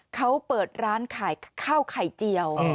เขาเปิดร้านขายข้าวไข่เจียว